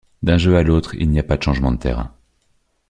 D'un jeu à l'autre, il n'y a pas de changement de terrain.